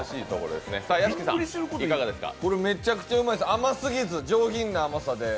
めちゃくちゃうまいです甘すぎず、上品な甘さで。